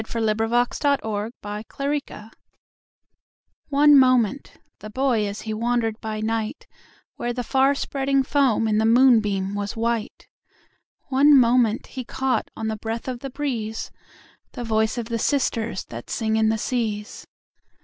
1844 "The Seamaids' Music" ONE moment the boy, as he wander'd by nightWhere the far spreading foam in the moonbeam was white, One moment he caught on the breath of the breezeThe voice of the sisters that sing in the seas.